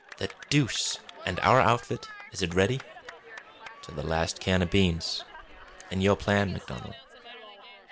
"The deuce! And our outfit? Is it ready?" "To the last can o' beans!" "And your plan, Donald?"